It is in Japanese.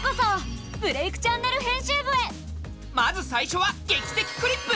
まず最初は「劇的クリップ」！